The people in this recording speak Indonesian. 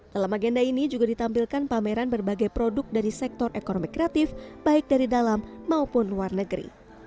dalam agenda ini juga ditampilkan pameran berbagai produk dari sektor ekonomi kreatif baik dari dalam maupun luar negeri